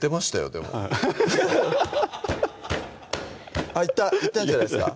でもあっいったいったんじゃないですか？